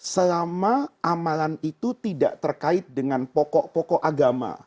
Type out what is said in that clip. selama amalan itu tidak terkait dengan pokok pokok agama